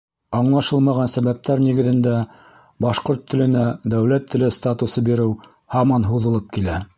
Аңлашылмаған сәбәптәр нигеҙендә башҡорт теленә дәүләт теле статусы биреү һаман һуҙылып килә.